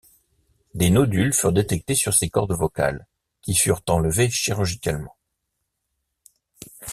Des nodules furent détectés sur ses cordes vocales, qui furent enlevés chirurgicalement.